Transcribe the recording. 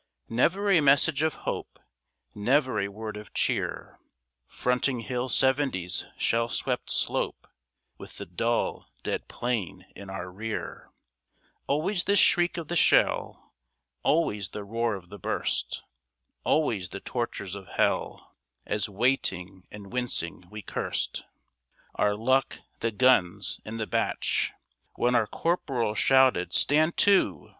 Never a message of hope, Never a word of cheer, Fronting Hill 70's shell swept slope, With the dull, dead plain in our rear; Always the shriek of the shell, Always the roar of the burst, Always the tortures of Hell, As waiting and wincing we cursed Our luck, the guns, and the Boche. When our Corporal shouted "Stand to!"